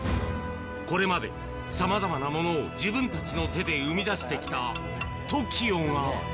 これまでさまざまなものを自分たちの手で生み出してきたＴＯＫＩＯが。